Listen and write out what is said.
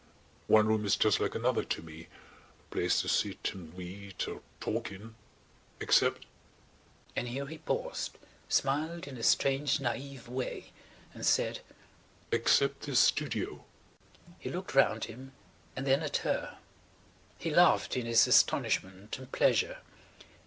One room is just like another to me–a place to sit and read or talk in–except," and here he paused, smiled in a strange naive way, and said, "except this studio." He looked round him and then at her; he laughed in his astonishment and pleasure.